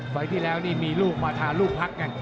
ไฟล์ที่แล้วนี่มีลูกมาทาลูกพักกัน